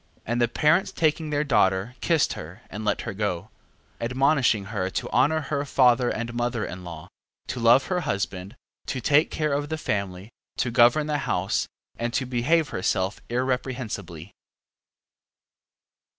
10:12. And the parents taking their daughter kissed her, and let her go: 10:13. Admonishing her to honour her father and mother in law, to love her husband, to take care of the family, to govern the house, and to behave herself irreprehensibly.